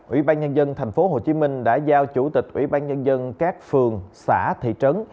ủy ban nhân dân tp hcm đã giao chủ tịch ủy ban nhân dân các phường xã thị trấn